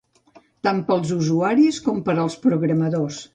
Tant per als usuaris com per als programadors.